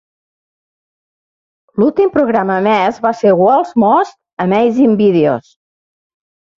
L'últim programa emès va ser World's Most Amazing Videos.